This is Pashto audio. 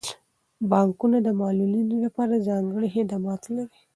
بانکونه د معلولینو لپاره ځانګړي خدمات لري.